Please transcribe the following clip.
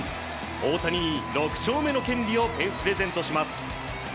大谷に６勝目の権利をプレゼントします。